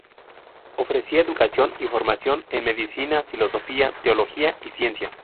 Ofrecía educación y formación en medicina, filosofía, teología y ciencias.